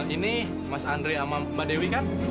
ini mas andre sama mbak dewi kan